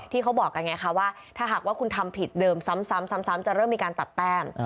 เขาบอกกันไงคะว่าถ้าหากว่าคุณทำผิดเดิมซ้ำจะเริ่มมีการตัดแต้ม